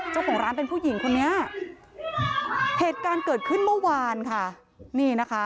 จ้องของร้านเป็นพุ่งหญิงผมเห็นเหตุการณ์เกิดขึ้นเมื่อวาน